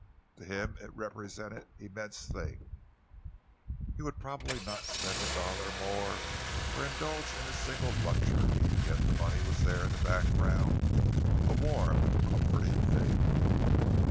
To him it represented immense things. He would probably not spend a dollar more, or indulge in a single luxury, yet the money was there in the background, a warm, comforting thing.